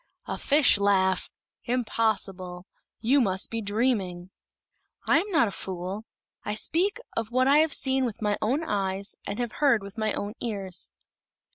"A fish laugh! Impossible! You must be dreaming." "I am not a fool. I speak of what I have seen with my own eyes and have heard with my own ears."